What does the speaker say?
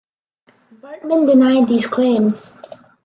Baartman denied these claims.